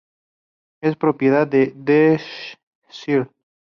Es propiedad de Desh srl.